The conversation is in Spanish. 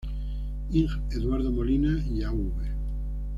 Ing. Eduardo Molina y Av.